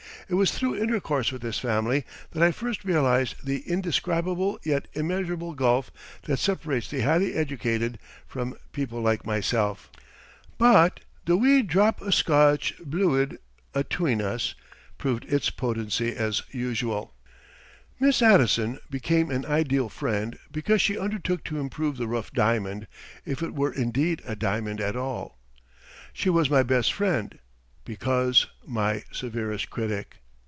It was through intercourse with this family that I first realized the indescribable yet immeasurable gulf that separates the highly educated from people like myself. But "the wee drap o' Scotch bluid atween us" proved its potency as usual. Miss Addison became an ideal friend because she undertook to improve the rough diamond, if it were indeed a diamond at all. She was my best friend, because my severest critic.